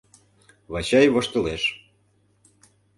— Вачай воштылеш.